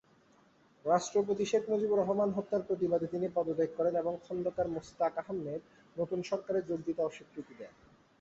রাষ্ট্রপতি শেখ মুজিবুর রহমান হত্যার প্রতিবাদে তিনি পদত্যাগ করেন এবং খোন্দকার মোশতাক আহমদের নতুন সরকারে যোগ দিতে অস্বীকৃতি দেন।